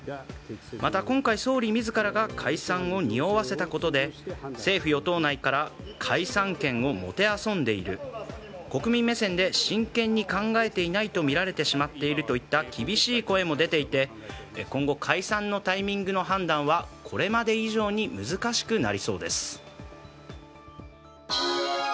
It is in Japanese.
また今回、総理自らが解散をにおわせたことで政府・与党内から解散権をもてあそんでいる国民目線で真剣に考えていないとみられてしまっているといった厳しい声も出ていて今後、解散のタイミングの判断はこれまで以上に難しくなりそうです。